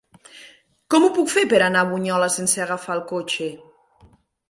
Com ho puc fer per anar a Bunyola sense agafar el cotxe?